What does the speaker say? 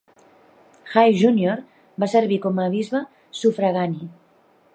High Junior va servir com a bisbe sufragani.